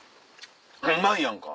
うまいやんか！